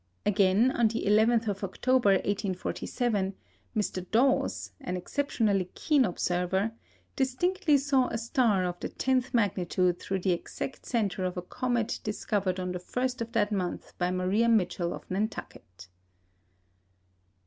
Again, on the 11th of October, 1847, Mr. Dawes, an exceptionally keen observer, distinctly saw a star of the tenth magnitude through the exact centre of a comet discovered on the first of that month by Maria Mitchell of Nantucket.